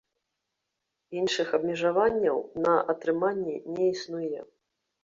Іншых абмежаванняў на на атрыманне існуе.